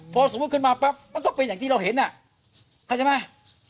พอสมมุติขึ้นมาปั๊บมันก็เป็นอย่างที่เราเห็นอ่ะเข้าใจไหม